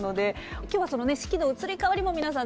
今日はその四季の移り変わりも皆さん